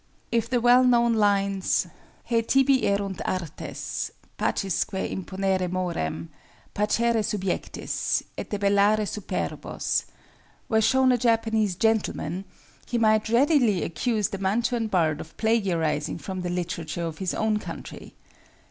If the well known lines, Hae tibi erunt artes—pacisque imponere morem, Parcere subjectis, et debellare superbos, were shown a Japanese gentleman, he might readily accuse the Mantuan bard of plagiarizing from the literature of his own country.